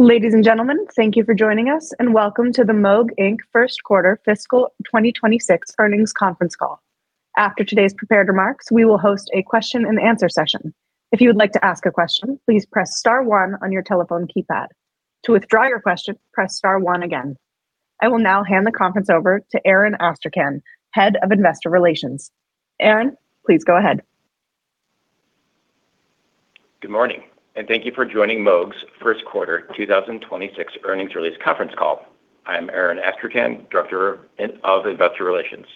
Ladies and gentlemen, thank you for joining us, and welcome to the Moog Inc. First Quarter Fiscal 2026 Earnings Conference Call. After today's prepared remarks, we will host a question and answer session. If you would like to ask a question, please press star one on your telephone keypad. To withdraw your question, press star one again. I will now hand the conference over to Aaron Astrachan, Head of Investor Relations. Aaron, please go ahead. Good morning, and thank you for joining Moog's First Quarter 2026 Earnings Release Conference Call. I'm Aaron Astrachan, Director of Investor Relations.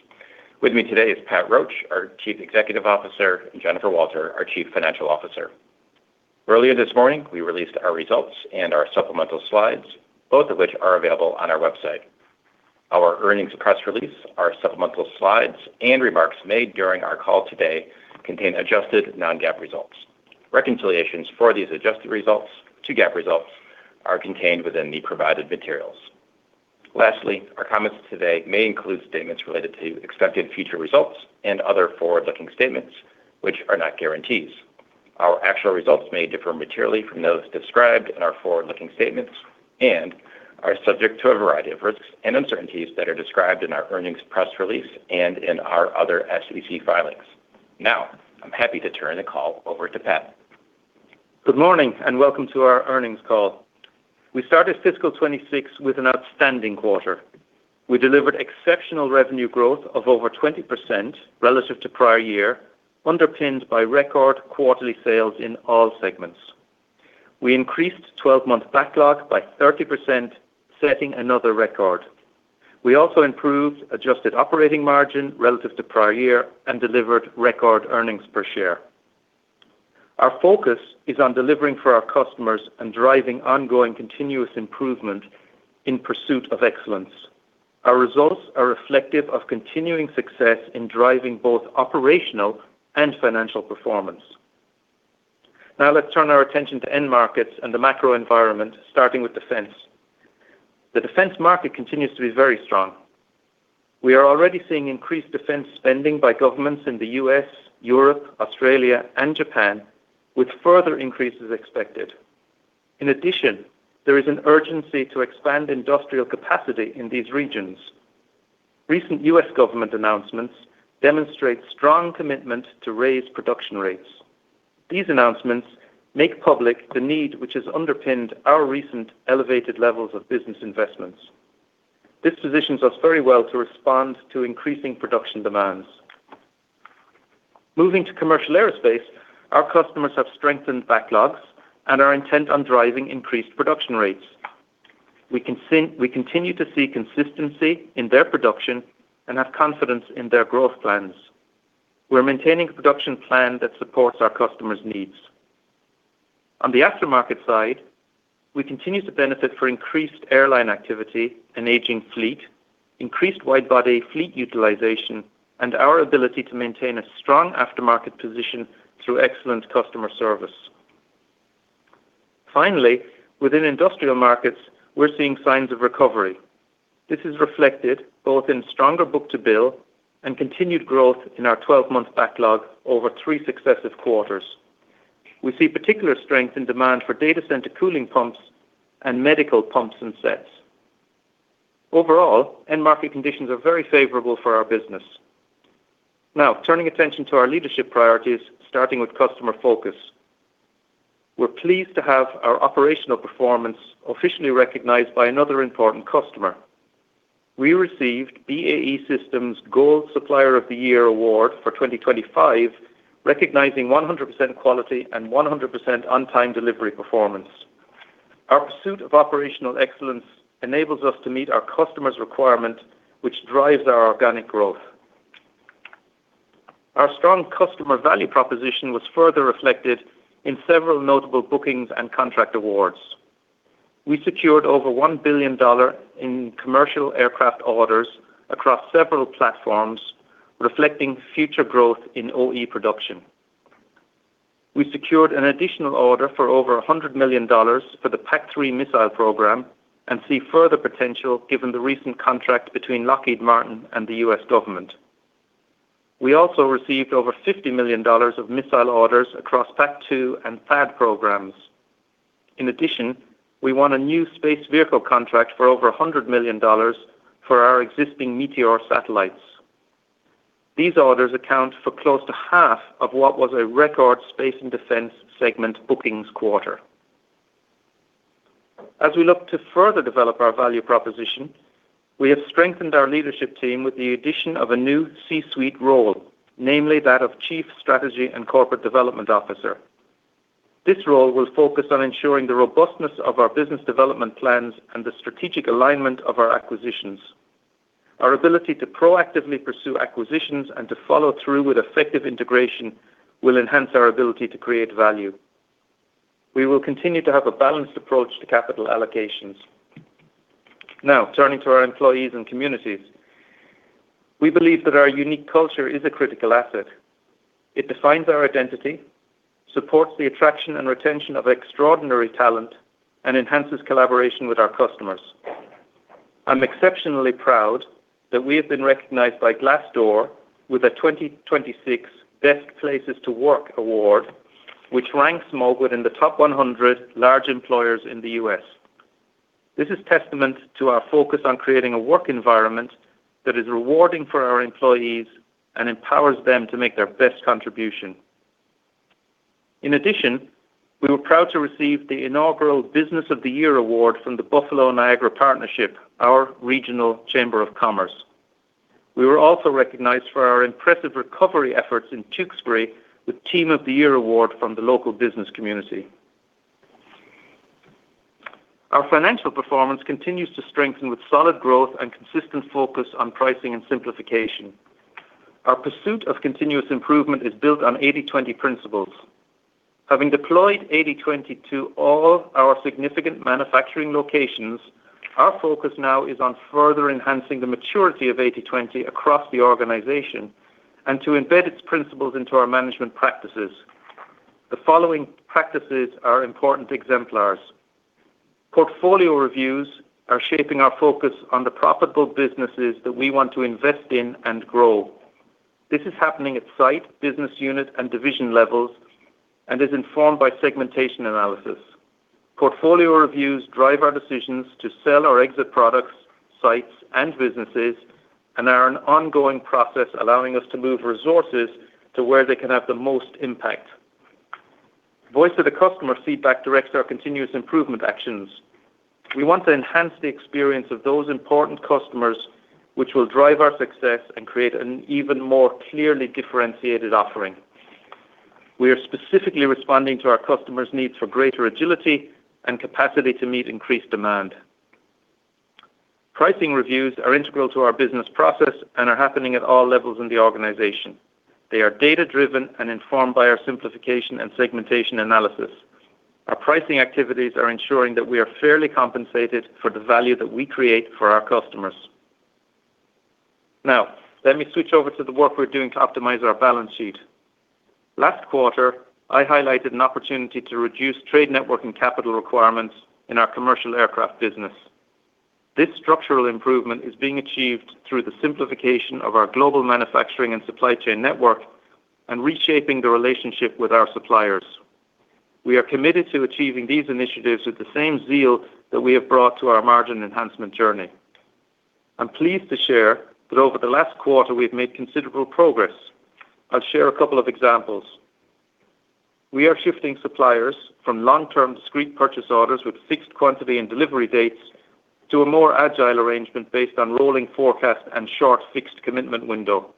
With me today is Pat Roche, our Chief Executive Officer, and Jennifer Walter, our Chief Financial Officer. Earlier this morning, we released our results and our supplemental slides, both of which are available on our website. Our earnings press release, our supplemental slides, and remarks made during our call today contain adjusted non-GAAP results. Reconciliations for these adjusted results to GAAP results are contained within the provided materials. Lastly, our comments today may include statements related to expected future results and other forward-looking statements which are not guarantees. Our actual results may differ materially from those described in our forward-looking statements and are subject to a variety of risks and uncertainties that are described in our earnings press release and in our other SEC filings. Now, I'm happy to turn the call over to Pat. Good morning, and welcome to our earnings call. We started fiscal 2026 with an outstanding quarter. We delivered exceptional revenue growth of over 20% relative to prior year, underpinned by record quarterly sales in all segments. We increased 12-month backlog by 30%, setting another record. We also improved adjusted operating margin relative to prior year and delivered record earnings per share. Our focus is on delivering for our customers and driving ongoing continuous improvement in pursuit of excellence. Our results are reflective of continuing success in driving both operational and financial performance. Now, let's turn our attention to end markets and the macro environment, starting with defense. The defense market continues to be very strong. We are already seeing increased defense spending by governments in the U.S., Europe, Australia, and Japan, with further increases expected. In addition, there is an urgency to expand industrial capacity in these regions. Recent U.S. government announcements demonstrate strong commitment to raise production rates. These announcements make public the need, which has underpinned our recent elevated levels of business investments. This positions us very well to respond to increasing production demands. Moving to commercial aerospace, our customers have strengthened backlogs and are intent on driving increased production rates. We can see, we continue to see consistency in their production and have confidence in their growth plans. We're maintaining a production plan that supports our customers' needs. On the aftermarket side, we continue to benefit from increased airline activity and aging fleet, increased wide-body fleet utilization, and our ability to maintain a strong aftermarket position through excellent customer service. Finally, within industrial markets, we're seeing signs of recovery. This is reflected both in stronger book-to-bill and continued growth in our twelve-month backlog over three successive quarters. We see particular strength in demand for data center cooling pumps and medical pumps and sets. Overall, end market conditions are very favorable for our business. Now, turning attention to our leadership priorities, starting with customer focus. We're pleased to have our operational performance officially recognized by another important customer. We received BAE Systems Gold Supplier of the Year Award for 2025, recognizing 100% quality and 100% on-time delivery performance. Our pursuit of operational excellence enables us to meet our customer's requirements, which drives our organic growth. Our strong customer value proposition was further reflected in several notable bookings and contract awards. We secured over $1 billion in commercial aircraft orders across several platforms, reflecting future growth in OE production. We secured an additional order for over $100 million for the PAC-3 missile program and see further potential given the recent contract between Lockheed Martin and the U.S. government. We also received over $50 million of missile orders across. In addition, we won a new space vehicle contract for over $100 million for our existing Meteosat satellites. These orders account for close to half of what was a record space and defense segment bookings quarter. As we look to further develop our value proposition, we have strengthened our leadership team with the addition of a new C-suite role, namely that of Chief Strategy and Corporate Development Officer. This role will focus on ensuring the robustness of our business development plans and the strategic alignment of our acquisitions. Our ability to proactively pursue acquisitions and to follow through with effective integration will enhance our ability to create value. We will continue to have a balanced approach to capital allocations. Now, turning to our employees and communities, we believe that our unique culture is a critical asset. It defines our identity, supports the attraction and retention of extraordinary talent, and enhances collaboration with our customers.... I'm exceptionally proud that we have been recognized by Glassdoor with a 2026 Best Places to Work award, which ranks Moog in the top 100 large employers in the U.S. This is testament to our focus on creating a work environment that is rewarding for our employees and empowers them to make their best contribution. In addition, we were proud to receive the inaugural Business of the Year award from the Buffalo Niagara Partnership, our regional chamber of commerce. We were also recognized for our impressive recovery efforts in Tewkesbury with Team of the Year award from the local business community. Our financial performance continues to strengthen with solid growth and consistent focus on pricing and simplification. Our pursuit of continuous improvement is built on 80/20 principles. Having deployed 80/20 to all our significant manufacturing locations, our focus now is on further enhancing the maturity of 80/20 across the organization and to embed its principles into our management practices. The following practices are important exemplars. Portfolio reviews are shaping our focus on the profitable businesses that we want to invest in and grow. This is happening at site, business unit, and division levels and is informed by segmentation analysis. Portfolio reviews drive our decisions to sell or exit products, sites, and businesses, and are an ongoing process, allowing us to move resources to where they can have the most impact. Voice of the customer feedback directs our continuous improvement actions. We want to enhance the experience of those important customers, which will drive our success and create an even more clearly differentiated offering. We are specifically responding to our customers' needs for greater agility and capacity to meet increased demand. Pricing reviews are integral to our business process and are happening at all levels in the organization. They are data-driven and informed by our simplification and segmentation analysis. Our pricing activities are ensuring that we are fairly compensated for the value that we create for our customers. Now, let me switch over to the work we're doing to optimize our balance sheet. Last quarter, I highlighted an opportunity to reduce trade networking capital requirements in our commercial aircraft business. This structural improvement is being achieved through the simplification of our global manufacturing and supply chain network and reshaping the relationship with our suppliers. We are committed to achieving these initiatives with the same zeal that we have brought to our margin enhancement journey. I'm pleased to share that over the last quarter, we've made considerable progress. I'll share a couple of examples. We are shifting suppliers from long-term discrete purchase orders with fixed quantity and delivery dates to a more agile arrangement based on rolling forecast and short fixed commitment window.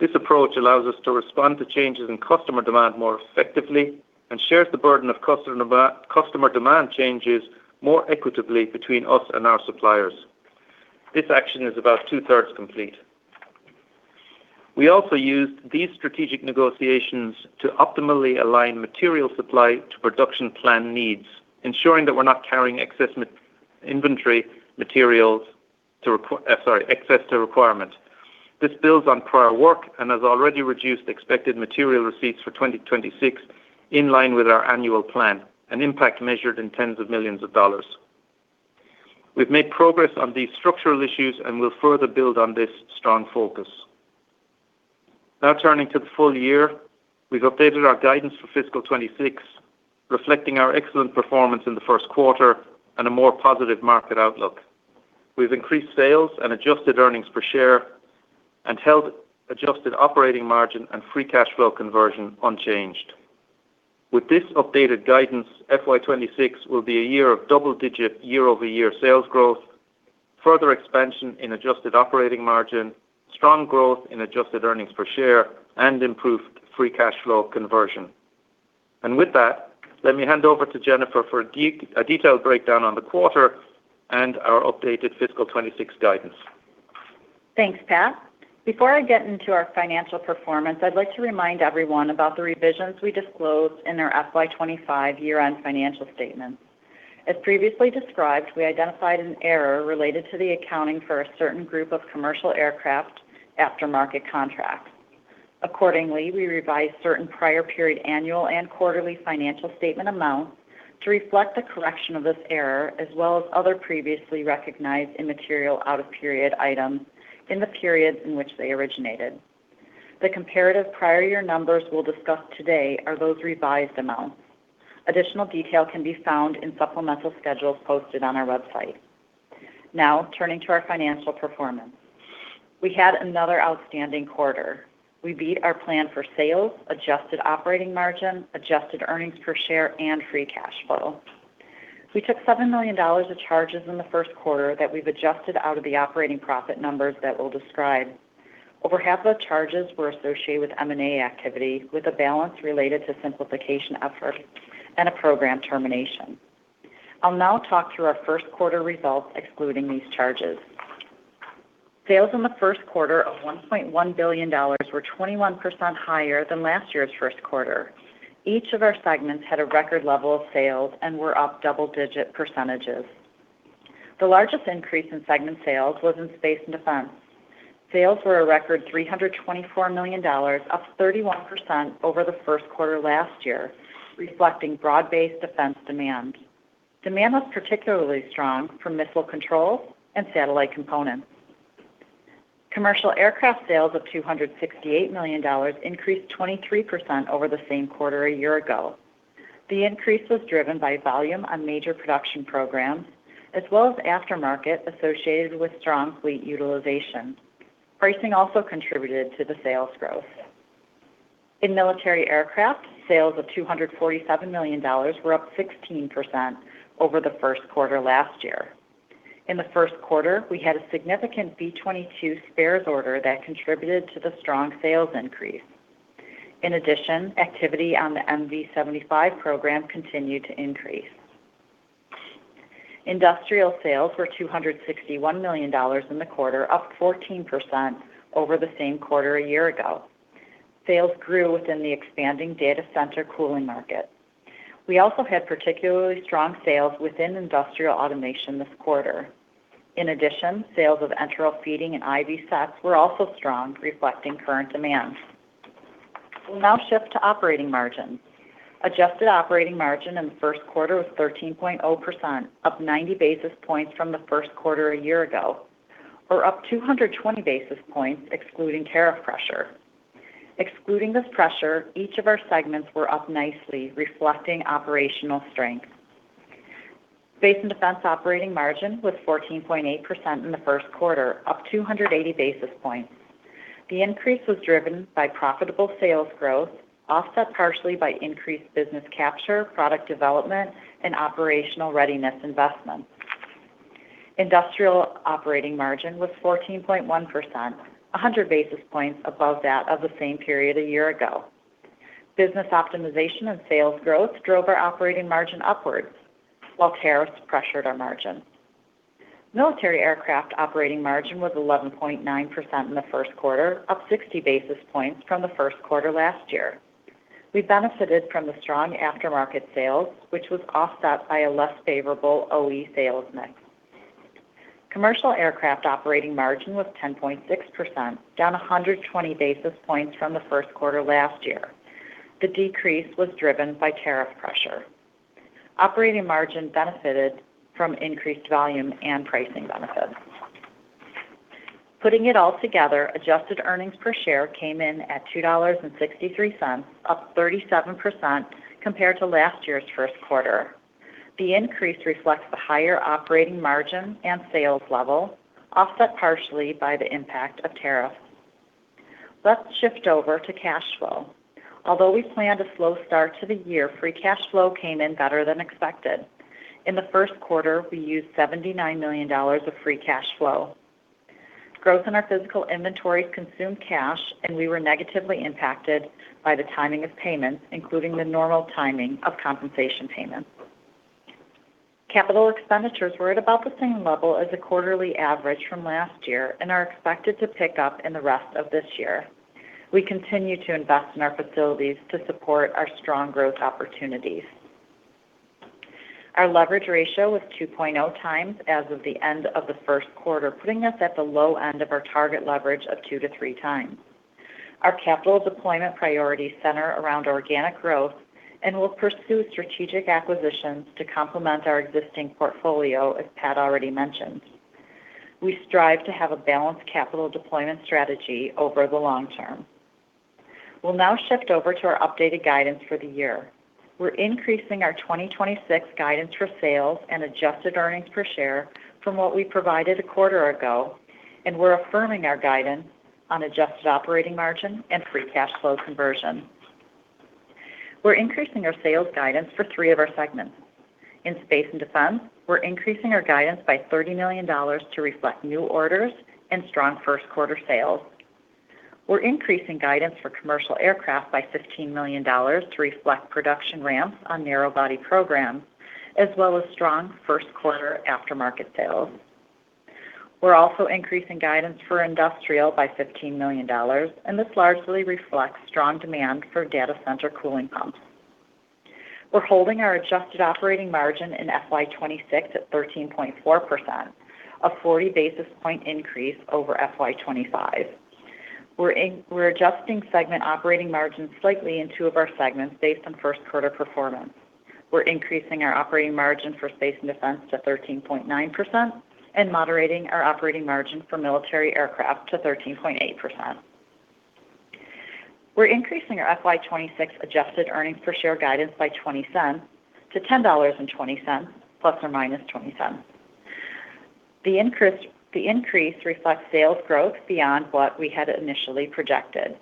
This approach allows us to respond to changes in customer demand more effectively and shares the burden of customer demand changes more equitably between us and our suppliers. This action is about 2/3 complete. We also used these strategic negotiations to optimally align material supply to production plan needs, ensuring that we're not carrying excess to requirement. This builds on prior work and has already reduced expected material receipts for 2026, in line with our annual plan, an impact measured in tens of millions of dollars. We've made progress on these structural issues and will further build on this strong focus. Now, turning to the full year, we've updated our guidance for fiscal 2026, reflecting our excellent performance in the first quarter and a more positive market outlook. We've increased sales and adjusted earnings per share and held adjusted operating margin and free cash flow conversion unchanged. With this updated guidance, FY 2026 will be a year of double-digit year-over-year sales growth, further expansion in adjusted operating margin, strong growth in adjusted earnings per share, and improved free cash flow conversion. And with that, let me hand over to Jennifer for a detailed breakdown on the quarter and our updated fiscal 2026 guidance. Thanks, Pat. Before I get into our financial performance, I'd like to remind everyone about the revisions we disclosed in our FY 2025 year-end financial statements. As previously described, we identified an error related to the accounting for a certain group of commercial aircraft aftermarket contracts. Accordingly, we revised certain prior period annual and quarterly financial statement amounts to reflect the correction of this error, as well as other previously recognized immaterial out-of-period items in the periods in which they originated. The comparative prior year numbers we'll discuss today are those revised amounts. Additional detail can be found in supplemental schedules posted on our website. Now, turning to our financial performance. We had another outstanding quarter. We beat our plan for sales, adjusted operating margin, adjusted earnings per share, and free cash flow. We took $7 million of charges in the first quarter that we've adjusted out of the operating profit numbers that we'll describe. Over half the charges were associated with M&A activity, with a balance related to simplification efforts and a program termination. I'll now talk through our first quarter results, excluding these charges. Sales in the first quarter of $1.1 billion were 21% higher than last year's first quarter. Each of our segments had a record level of sales and were up double-digit percentages. The largest increase in segment sales was in space and defense.... Sales were a record $324 million, up 31% over the first quarter last year, reflecting broad-based defense demand. Demand was particularly strong for missile control and satellite components. Commercial aircraft sales of $268 million increased 23% over the same quarter a year ago. The increase was driven by volume on major production programs, as well as aftermarket associated with strong fleet utilization. Pricing also contributed to the sales growth. In military aircraft, sales of $247 million were up 16% over the first quarter last year. In the first quarter, we had a significant V-22 spares order that contributed to the strong sales increase. In addition, activity on the MV-75 program continued to increase. Industrial sales were $261 million in the quarter, up 14% over the same quarter a year ago. Sales grew within the expanding data center cooling market. We also had particularly strong sales within industrial automation this quarter. In addition, sales of enteral feeding and IV sets were also strong, reflecting current demand. We'll now shift to operating margin. Adjusted operating margin in the first quarter was 13.0%, up 90 basis points from the first quarter a year ago, or up 220 basis points, excluding tariff pressure. Excluding this pressure, each of our segments were up nicely, reflecting operational strength. Space and defense operating margin was 14.8% in the first quarter, up 280 basis points. The increase was driven by profitable sales growth, offset partially by increased business capture, product development, and operational readiness investments. Industrial operating margin was 14.1%, 100 basis points above that of the same period a year ago. Business optimization and sales growth drove our operating margin upwards, while tariffs pressured our margin. Military aircraft operating margin was 11.9% in the first quarter, up 60 basis points from the first quarter last year. We benefited from the strong aftermarket sales, which was offset by a less favorable OE sales mix. Commercial aircraft operating margin was 10.6%, down 120 basis points from the first quarter last year. The decrease was driven by tariff pressure. Operating margin benefited from increased volume and pricing benefits. Putting it all together, adjusted earnings per share came in at $2.63, up 37% compared to last year's first quarter. The increase reflects the higher operating margin and sales level, offset partially by the impact of tariffs. Let's shift over to cash flow. Although we planned a slow start to the year, free cash flow came in better than expected. In the first quarter, we used $79 million of free cash flow. Growth in our physical inventory consumed cash, and we were negatively impacted by the timing of payments, including the normal timing of compensation payments. Capital expenditures were at about the same level as the quarterly average from last year and are expected to pick up in the rest of this year. We continue to invest in our facilities to support our strong growth opportunities. Our leverage ratio was 2.0 times as of the end of the first quarter, putting us at the low end of our target leverage of 2-3 times. Our capital deployment priorities center around organic growth and will pursue strategic acquisitions to complement our existing portfolio, as Pat already mentioned. We strive to have a balanced capital deployment strategy over the long term. We'll now shift over to our updated guidance for the year. We're increasing our 2026 guidance for sales and adjusted earnings per share from what we provided a quarter ago, and we're affirming our guidance on adjusted operating margin and free cash flow conversion. We're increasing our sales guidance for three of our segments. In space and defense, we're increasing our guidance by $30 million to reflect new orders and strong first quarter sales. We're increasing guidance for commercial aircraft by $15 million to reflect production ramps on narrow-body programs, as well as strong first quarter aftermarket sales. We're also increasing guidance for industrial by $15 million, and this largely reflects strong demand for data center cooling pumps. We're holding our adjusted operating margin in FY 2026 at 13.4%, a 40 basis point increase over FY 2025. We're adjusting segment operating margins slightly in two of our segments based on first quarter performance. We're increasing our operating margin for space and defense to 13.9% and moderating our operating margin for military aircraft to 13.8%. We're increasing our FY 2026 adjusted earnings per share guidance by $0.20 to $10.20 ± $0.20. The increase reflects sales growth beyond what we had initially projected.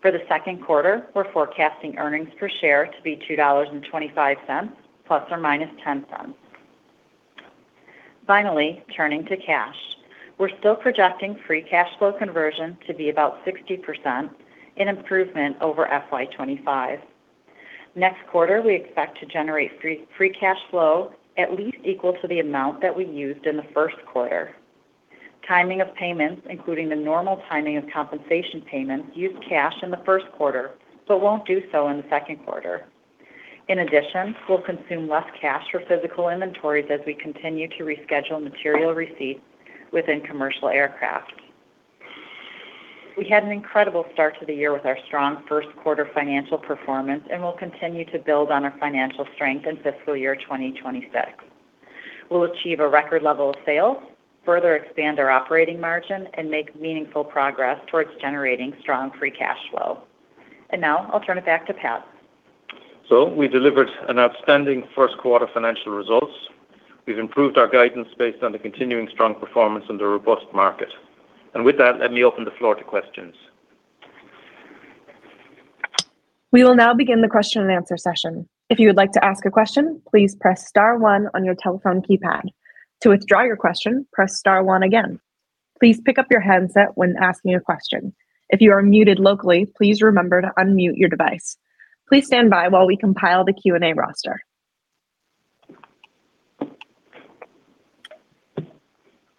For the second quarter, we're forecasting earnings per share to be $2.25 ± $0.10. Finally, turning to cash. We're still projecting free cash flow conversion to be about 60%, an improvement over FY 2025. Next quarter, we expect to generate free cash flow at least equal to the amount that we used in the first quarter. Timing of payments, including the normal timing of compensation payments, used cash in the first quarter, but won't do so in the second quarter. In addition, we'll consume less cash for physical inventories as we continue to reschedule material receipts within commercial aircraft. We had an incredible start to the year with our strong first quarter financial performance, and we'll continue to build on our financial strength in fiscal year 2026. We'll achieve a record level of sales, further expand our operating margin, and make meaningful progress towards generating strong free cash flow. Now I'll turn it back to Pat. We delivered an outstanding first quarter financial results. We've improved our guidance based on the continuing strong performance in the robust market. With that, let me open the floor to questions. We will now begin the question and answer session. If you would like to ask a question, please press star one on your telephone keypad. To withdraw your question, press star one again. Please pick up your handset when asking a question. If you are muted locally, please remember to unmute your device. Please stand by while we compile the Q&A roster.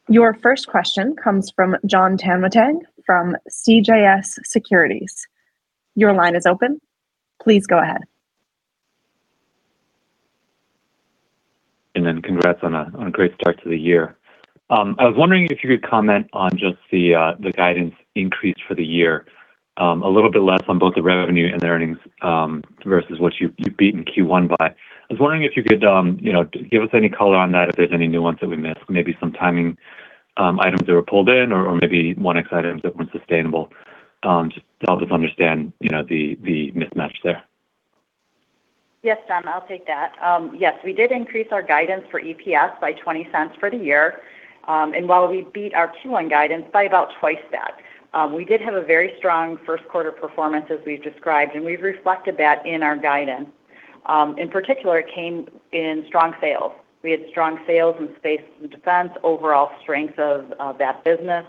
Your first question comes from Jon Tanwanteng from CJS Securities. Your line is open. Please go ahead. And then congrats on a great start to the year. I was wondering if you could comment on just the guidance increase for the year, a little bit less on both the revenue and the earnings versus what you've beat in Q1 by. I was wondering if you could, you know, give us any color on that, if there's any nuance that we missed, maybe some timing items that were pulled in, or maybe one-off items that weren't sustainable, just to help us understand, you know, the mismatch there. Yes, John, I'll take that. Yes, we did increase our guidance for EPS by $0.20 for the year. And while we beat our Q1 guidance by about twice that, we did have a very strong first quarter performance, as we've described, and we've reflected that in our guidance. In particular, it came in strong sales. We had strong sales in space and defense, overall strength of, that business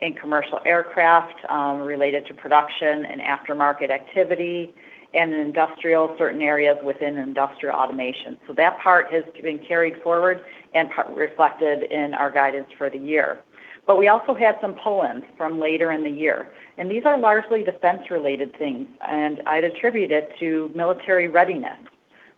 in commercial aircraft, related to production and aftermarket activity, and in industrial, certain areas within industrial automation. So that part has been carried forward and part reflected in our guidance for the year. But we also had some pull-ins from later in the year, and these are largely defense-related things, and I'd attribute it to military readiness.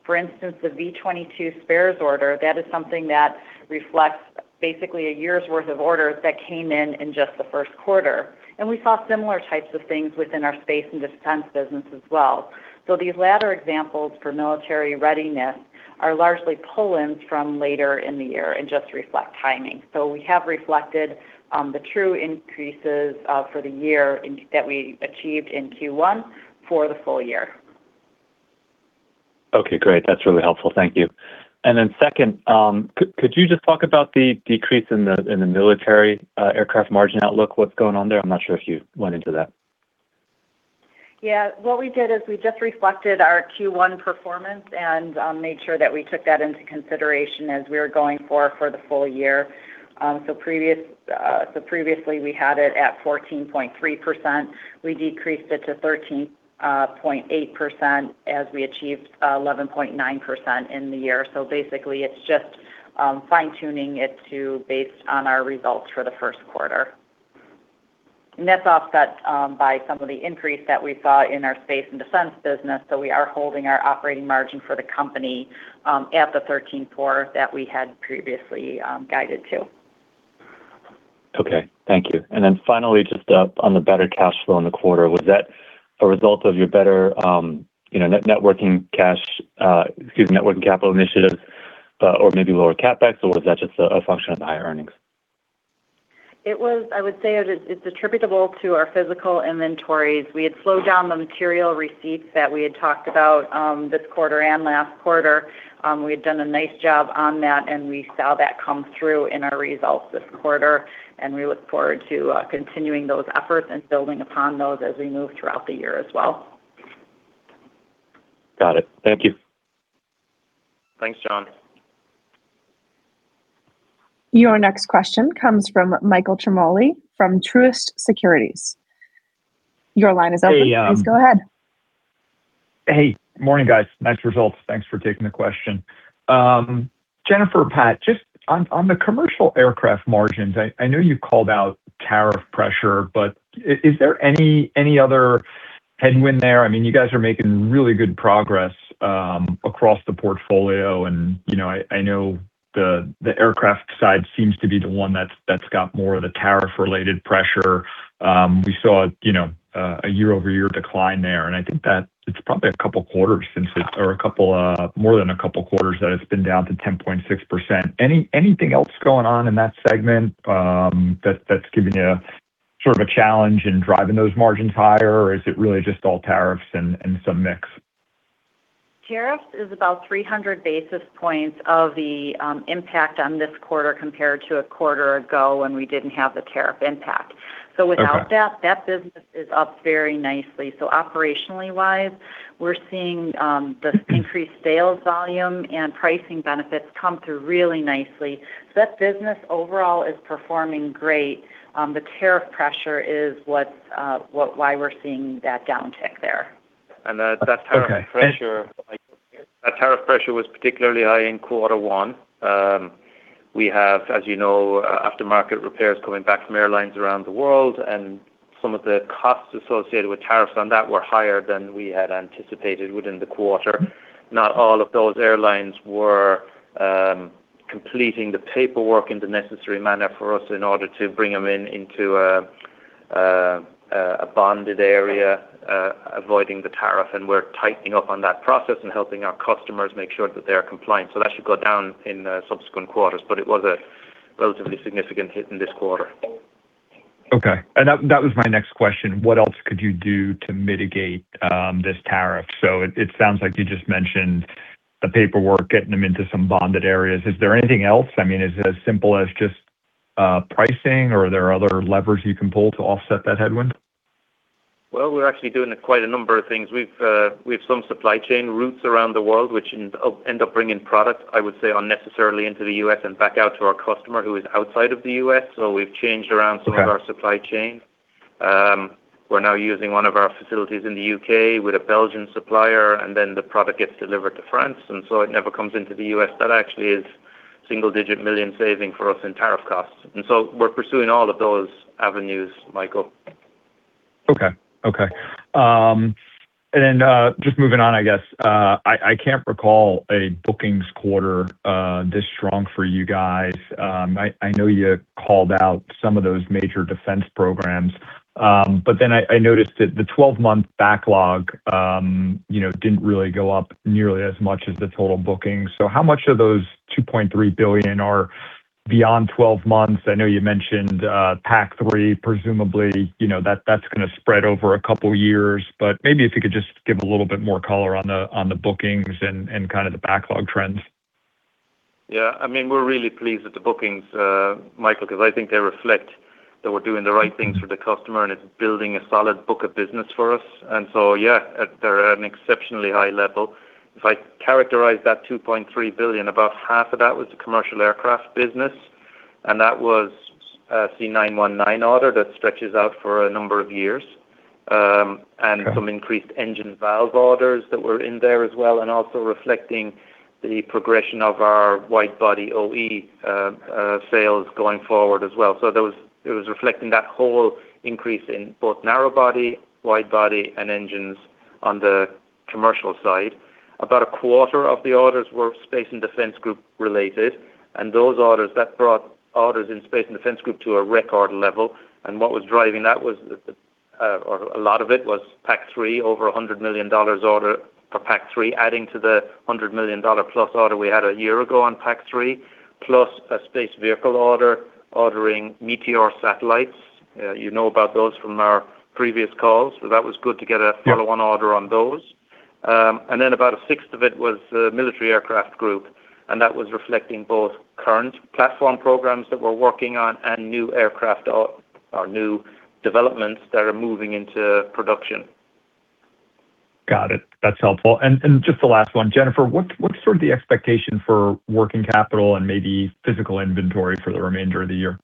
For instance, the V-22 spares order, that is something that reflects basically a year's worth of orders that came in in just the first quarter. We saw similar types of things within our space and defense business as well. These latter examples for military readiness are largely pull-ins from later in the year and just reflect timing. We have reflected the true increases for the year in that we achieved in Q1 for the full year. Okay, great. That's really helpful. Thank you. And then second, could you just talk about the decrease in the military aircraft margin outlook? What's going on there? I'm not sure if you went into that. Yeah. What we did is we just reflected our Q1 performance and, made sure that we took that into consideration as we were going forward for the full year. So previously we had it at 14.3%. We decreased it to 13.8% as we achieved 11.9% in the year. So basically, it's just fine-tuning it to based on our results for the first quarter. And that's offset by some of the increase that we saw in our space and defense business. So we are holding our operating margin for the company at the 13.4% that we had previously guided to. Okay. Thank you. And then finally, just on the better cash flow in the quarter, was that a result of your better, you know, net working capital initiatives, or maybe lower CapEx, or was that just a function of the higher earnings? It is attributable to our physical inventories. We had slowed down the material receipts that we had talked about this quarter and last quarter. We had done a nice job on that, and we saw that come through in our results this quarter, and we look forward to continuing those efforts and building upon those as we move throughout the year as well. Got it. Thank you. Thanks, John. Your next question comes from Michael Ciarmoli from Truist Securities. Your line is open. Hey, um- Please go ahead. Hey, morning, guys. Nice results. Thanks for taking the question. Jennifer, Pat, just on the commercial aircraft margins, I know you called out tariff pressure, but is there any other headwind there? I mean, you guys are making really good progress across the portfolio, and, you know, I know the aircraft side seems to be the one that's got more of the tariff-related pressure. We saw, you know, a year-over-year decline there, and I think that it's probably a couple of quarters since it... Or a couple, more than a couple of quarters that it's been down to 10.6%. Anything else going on in that segment that's giving you sort of a challenge in driving those margins higher, or is it really just all tariffs and some mix? Tariffs is about 300 basis points of the impact on this quarter compared to a quarter ago when we didn't have the tariff impact. Okay. So without that, that business is up very nicely. So operationally wise, we're seeing the increased sales volume and pricing benefits come through really nicely. So that business overall is performing great. The tariff pressure is what's why we're seeing that downtick there. And that tariff pressure- Okay. That tariff pressure was particularly high in quarter one. We have, as you know, aftermarket repairs coming back from airlines around the world, and some of the costs associated with tariffs on that were higher than we had anticipated within the quarter. Not all of those airlines were completing the paperwork in the necessary manner for us in order to bring them in, into a bonded area, avoiding the tariff, and we're tightening up on that process and helping our customers make sure that they are compliant. So that should go down in subsequent quarters, but it was a relatively significant hit in this quarter. Okay. And that was my next question. What else could you do to mitigate this tariff? So it sounds like you just mentioned the paperwork, getting them into some bonded areas. Is there anything else? I mean, is it as simple as just pricing, or are there other levers you can pull to offset that headwind? Well, we're actually doing quite a number of things. We've, we have some supply chain routes around the world, which end up bringing products, I would say, unnecessarily into the U.S. and back out to our customer who is outside of the U.S. So we've changed around- Okay Some of our supply chain. We're now using one of our facilities in the U.K. with a Belgian supplier, and then the product gets delivered to France, and so it never comes into the U.S. That actually is single-digit million saving for us in tariff costs, and so we're pursuing all of those avenues, Michael. Okay. Okay. And then, just moving on, I guess, I can't recall a bookings quarter this strong for you guys. I know you called out some of those major defense programs, but then I noticed that the 12-month backlog, you know, didn't really go up nearly as much as the total bookings. So how much of those $2.3 billion are beyond 12 months? I know you mentioned PAC-3, presumably, you know, that's gonna spread over a couple of years, but maybe if you could just give a little bit more color on the bookings and kind of the backlog trends. Yeah. I mean, we're really pleased with the bookings, Michael, because I think they reflect that we're doing the right things for the customer, and it's building a solid book of business for us. And so, yeah, they're at an exceptionally high level. If I characterize that $2.3 billion, about half of that was the commercial aircraft business, and that was, C919 order that stretches out for a number of years. Okay... and some increased engine valve orders that were in there as well, and also reflecting the progression of our wide-body OE, sales going forward as well. So those. It was reflecting that whole increase in both narrow-body, wide-body, and engines on the commercial side. About a quarter of the orders were Space and Defense Group related, and those orders, that brought orders in Space and Defense Group to a record level, and what was driving that was, or a lot of it was PAC-3, over a $100 million order for PAC-3, adding to the $100 million-plus order we had a year ago on PAC-3, plus a space vehicle order, ordering Meteosat satellites. You know about those from our previous calls, so that was good to get a- Yeah Follow-on order on those. And then about a sixth of it was Military Aircraft Group, and that was reflecting both current platform programs that we're working on and new aircraft or new developments that are moving into production. Got it. That's helpful. Just the last one, Jennifer, what's sort of the expectation for working capital and maybe physical inventory for the remainder of the year?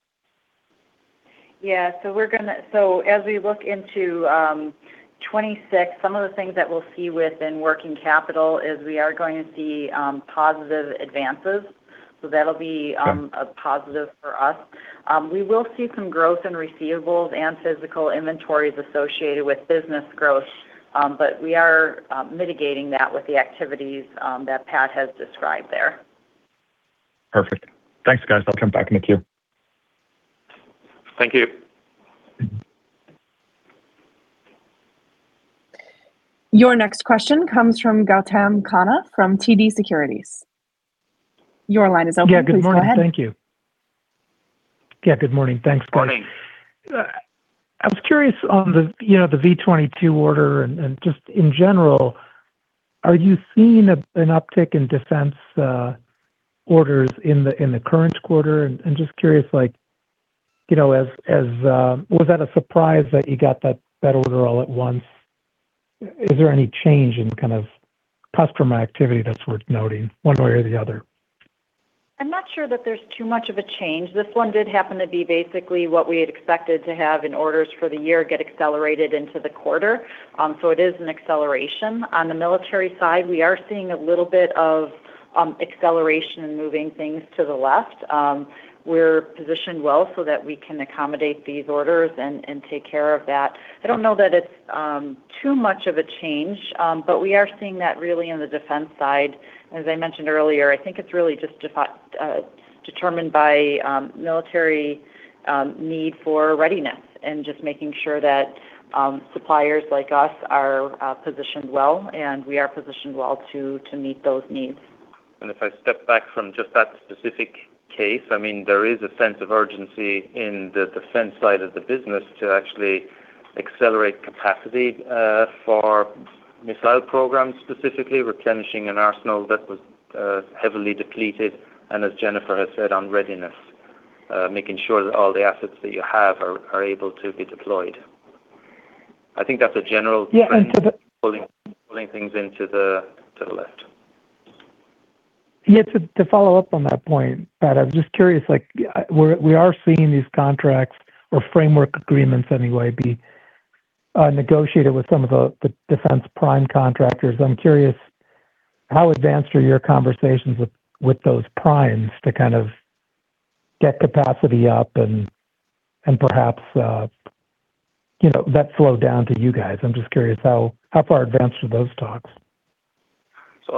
Yeah, so as we look into 2026, some of the things that we'll see within working capital is we are going to see positive advances. So that'll be Okay... a positive for us. We will see some growth in receivables and physical inventories associated with business growth, but we are mitigating that with the activities that Pat has described there. Perfect. Thanks, guys. I'll jump back in the queue. Thank you. Mm-hmm. Your next question comes from Gautam Khanna from TD Securities. Your line is open. Yeah, good morning. Please go ahead. Thank you. Yeah, good morning. Thanks, guys. Good morning. I was curious on the, you know, the V-22 order, and just in general, are you seeing a, an uptick in defense orders in the, in the current quarter? And just curious, like, you know, was that a surprise that you got that order all at once? Is there any change in kind of customer activity that's worth noting, one way or the other? I'm not sure that there's too much of a change. This one did happen to be basically what we had expected to have in orders for the year get accelerated into the quarter. So it is an acceleration. On the military side, we are seeing a little bit of acceleration in moving things to the left. We're positioned well so that we can accommodate these orders and take care of that. I don't know that it's too much of a change, but we are seeing that really in the defense side. As I mentioned earlier, I think it's really just determined by military need for readiness and just making sure that suppliers like us are positioned well, and we are positioned well to meet those needs. If I step back from just that specific case, I mean, there is a sense of urgency in the defense side of the business to actually accelerate capacity for missile programs, specifically replenishing an arsenal that was heavily depleted, and as Jennifer has said, on readiness, making sure that all the assets that you have are able to be deployed. I think that's a general trend- Yeah, and to the- pulling things into to the left. Yeah, to follow up on that point, Pat, I'm just curious, like, we're seeing these contracts or framework agreements anyway. I negotiated with some of the defense prime contractors. I'm curious, how advanced are your conversations with those primes to kind of get capacity up and perhaps, you know, that flow down to you guys? I'm just curious, how far advanced are those talks? So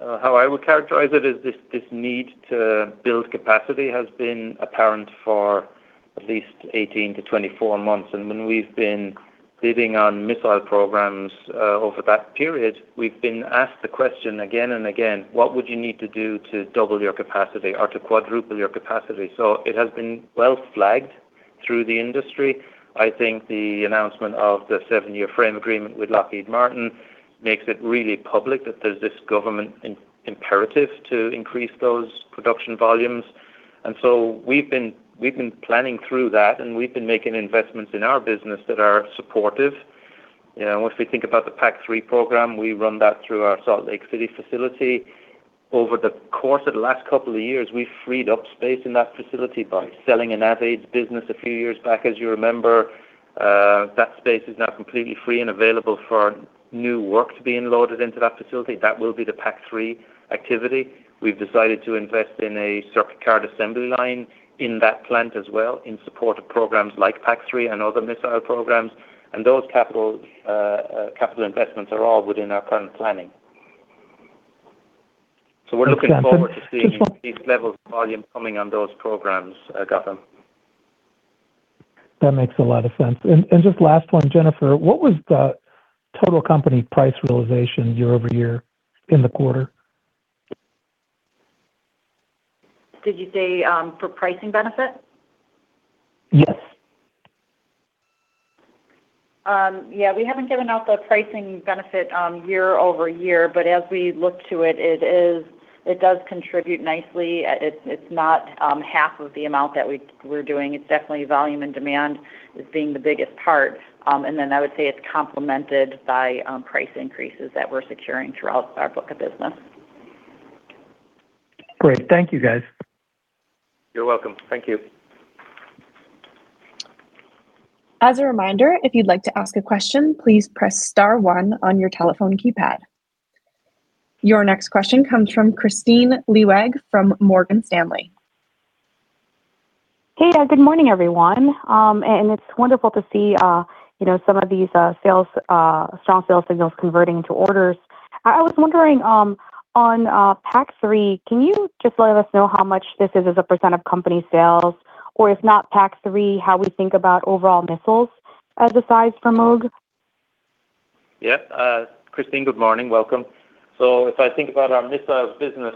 how I would characterize it is this, this need to build capacity has been apparent for at least 18-24 months. And when we've been bidding on missile programs, over that period, we've been asked the question again and again, "What would you need to do to double your capacity or to quadruple your capacity?" So it has been well flagged through the industry. I think the announcement of the 7-year frame agreement with Lockheed Martin makes it really public that there's this government imperative to increase those production volumes. And so we've been planning through that, and we've been making investments in our business that are supportive. You know, once we think about the PAC-3 program, we run that through our Salt Lake City facility. Over the course of the last couple of years, we've freed up space in that facility by selling an NavAids business a few years back. As you remember, that space is now completely free and available for new work to be loaded into that facility. That will be the PAC-3 activity. We've decided to invest in a circuit card assembly line in that plant as well, in support of programs like PAC-3 and other missile programs. And those capital, capital investments are all within our current planning. Thanks, Pat. So we're looking forward to seeing these levels of volume coming on those programs, Gautam. That makes a lot of sense. And just last one, Jennifer, what was the total company price realization year-over-year in the quarter? Did you say for pricing benefit? Yes. Yeah, we haven't given out the pricing benefit year over year, but as we look to it, it does contribute nicely. It's not half of the amount that we're doing. It's definitely volume and demand is being the biggest part. And then I would say it's complemented by price increases that we're securing throughout our book of business. Great. Thank you, guys. You're welcome. Thank you. As a reminder, if you'd like to ask a question, please press star one on your telephone keypad. Your next question comes from Kristine Liwag from Morgan Stanley. Hey, good morning, everyone. It's wonderful to see, you know, some of these strong sales signals converting to orders. I was wondering, on PAC-3, can you just let us know how much this is as a percent of company sales, or if not PAC-3, how we think about overall missiles as a size for Moog? Yeah. Kristine, good morning. Welcome. If I think about our missiles business,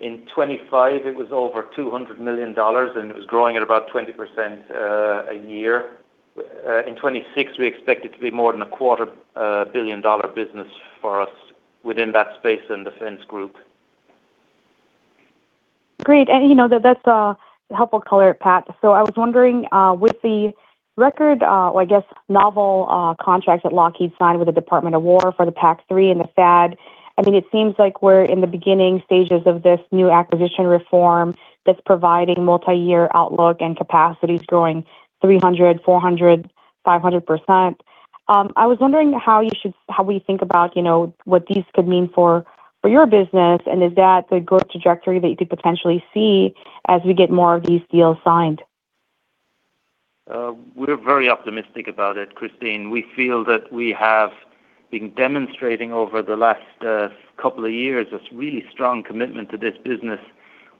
in 2025, it was over $200 million, and it was growing at about 20% a year. In 2026, we expect it to be more than $250 million business for us within that space and defense group. Great. And, you know, that's a helpful color, Pat. So I was wondering, with the record, or I guess, novel, contracts that Lockheed signed with the Department of Defense for the PAC-3 and the THAAD, I mean, it seems like we're in the beginning stages of this new acquisition reform that's providing multi-year outlook and capacities growing 300%-500%. I was wondering how you should-how we think about, you know, what these could mean for, for your business, and is that the growth trajectory that you could potentially see as we get more of these deals signed? We're very optimistic about it, Kristine. We feel that we have been demonstrating over the last couple of years a really strong commitment to this business.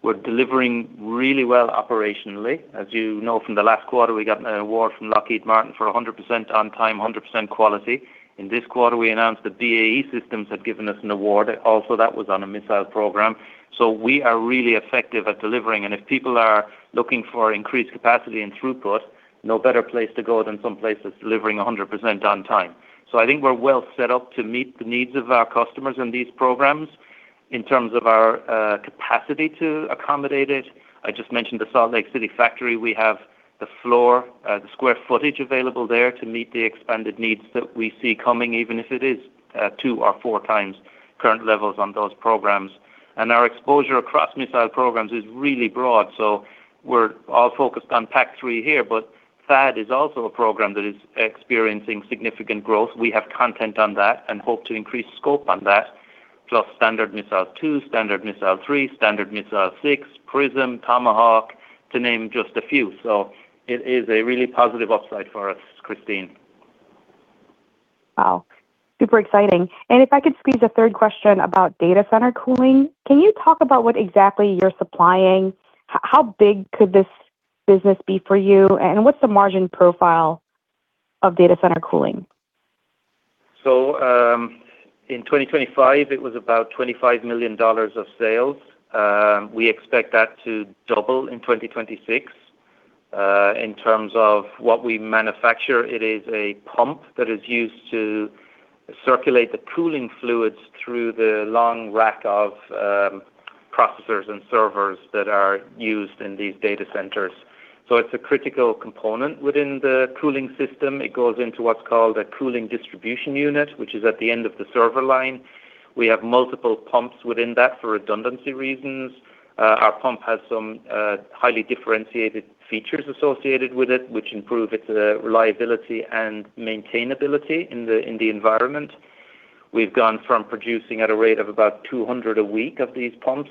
We're delivering really well operationally. As you know, from the last quarter, we got an award from Lockheed Martin for 100% on time, 100% quality. In this quarter, we announced that BAE Systems have given us an award. Also, that was on a missile program. So we are really effective at delivering, and if people are looking for increased capacity and throughput, no better place to go than some place that's delivering 100% on time. So I think we're well set up to meet the needs of our customers in these programs in terms of our capacity to accommodate it. I just mentioned the Salt Lake City factory. We have the floor, the square footage available there to meet the expanded needs that we see coming, even if it is, 2 or 4 times current levels on those programs. And our exposure across missile programs is really broad. So we're all focused on PAC-3 here, but THAAD is also a program that is experiencing significant growth. We have content on that and hope to increase scope on that, plus Standard Missile-2, Standard Missile-3, Standard Missile-6, PrSM, Tomahawk, to name just a few. So it is a really positive upside for us, Kristine. Wow! Super exciting. If I could squeeze a third question about data center cooling. Can you talk about what exactly you're supplying? How big could this business be for you, and what's the margin profile of data center cooling? So, in 2025, it was about $25 million of sales. We expect that to double in 2026. In terms of what we manufacture, it is a pump that is used to circulate the cooling fluids through the long rack of processors and servers that are used in these data centers. So it's a critical component within the cooling system. It goes into what's called a cooling distribution unit, which is at the end of the server line. We have multiple pumps within that for redundancy reasons. Our pump has some highly differentiated features associated with it, which improve its reliability and maintainability in the environment. We've gone from producing at a rate of about 200 a week of these pumps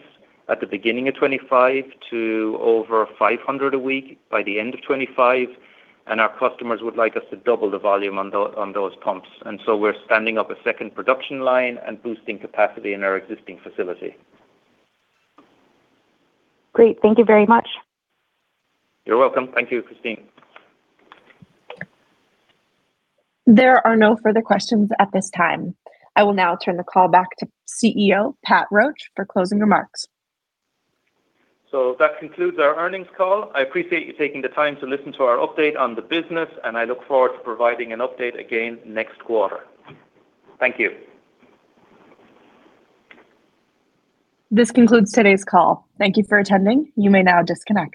at the beginning of 2025 to over 500 a week by the end of 2025, and our customers would like us to double the volume on those pumps. And so we're standing up a second production line and boosting capacity in our existing facility. Great. Thank you very much. You're welcome. Thank you, Kristine. There are no further questions at this time. I will now turn the call back to CEO Pat Roche for closing remarks. That concludes our earnings call. I appreciate you taking the time to listen to our update on the business, and I look forward to providing an update again next quarter. Thank you. This concludes today's call. Thank you for attending. You may now disconnect.